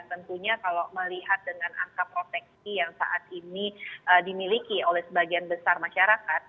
tentunya kalau melihat dengan angka proteksi yang saat ini dimiliki oleh sebagian besar masyarakat